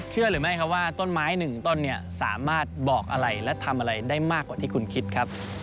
เชื่อหรือไม่ครับว่าต้นไม้หนึ่งต้นเนี่ยสามารถบอกอะไรและทำอะไรได้มากกว่าที่คุณคิดครับ